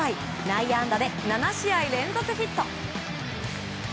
内野安打で７試合連続ヒット。